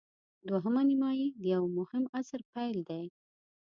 دوهمه نیمايي د یوه مهم عصر پیل دی.